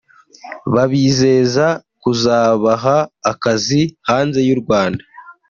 babizeza kuzabaha akazi hanze y’u Rwanda